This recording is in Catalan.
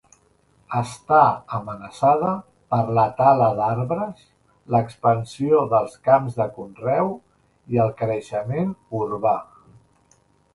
Està amenaçada per la tala d'arbres, l'expansió dels camps de conreu i el creixement urbà.